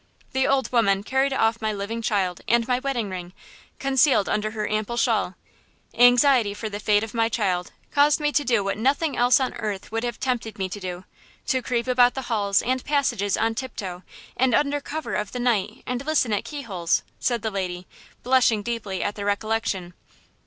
The old woman carried off my living child and my wedding ring, concealed under her ample shawl. Anxiety for the fate of my child caused me to do what nothing else on earth would have tempted me to do–to creep about the halls and passages on tiptoe and under cover of the night and listen at keyholes," said the lady, blushing deeply at the recollection.